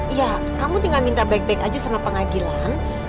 iya kamu tinggal minta baik baik aja sama pengadilan